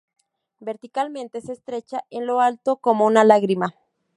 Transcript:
Verticalmente, se estrecha en lo alto como una lágrima.